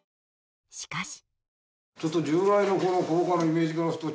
しかし。